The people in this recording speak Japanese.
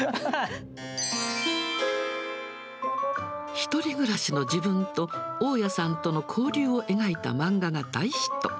１人暮らしの自分と大家さんとの交流を描いた漫画が大ヒット。